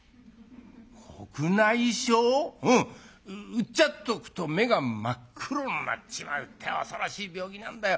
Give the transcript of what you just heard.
うっちゃっとくと目が真っ黒になっちまうってえ恐ろしい病気なんだよ。